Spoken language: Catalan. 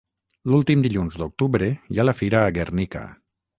L'últim dilluns d'octubre hi ha fira a Gernika